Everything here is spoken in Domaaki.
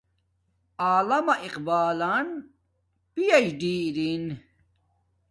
علامہ اقبالن پی ایچ دی ارین